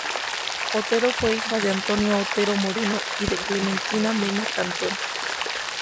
Otero fue hija de Antonio Otero Moreno y de Clementina Mena Cantón.